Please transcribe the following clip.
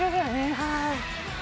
はい。